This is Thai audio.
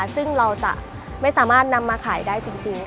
ซึ่งเราจะไม่สามารถนำมาขายได้จริง